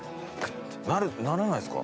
ならないですか？